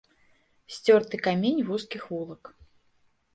Сцёрты камень вузкіх вулак.